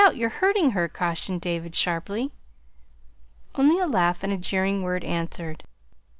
You're hurting her," cautioned David sharply. Only a laugh and a jeering word answered.